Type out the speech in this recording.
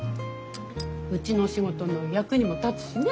うちの仕事の役にも立つしね。